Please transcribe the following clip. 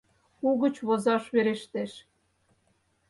Угыч возаш верештеш.